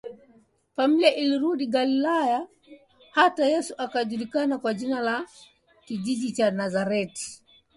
Familia ilirudi Galilaya hata Yesu akajulikana kwa jina la kijiji cha Nazareti